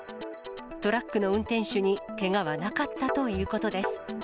トラックの運転手にけがはなかったということです。